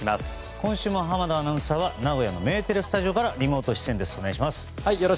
今週も濱田アナウンサーは名古屋のメテレスタジオからリモート出演です。